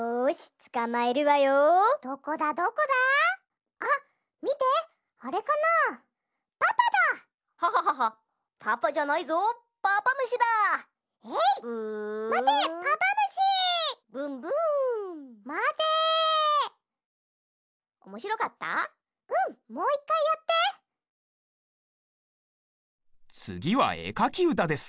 つぎはえかきうたです。